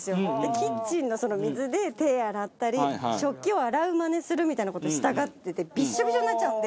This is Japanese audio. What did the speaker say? キッチンの水で手洗ったり食器を洗うマネするみたいな事をしたがっててびっしょびしょになっちゃうんで。